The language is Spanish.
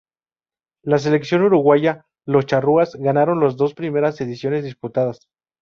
La selección Uruguaya, Los Charrúas, ganaron las dos primeras ediciones disputadas.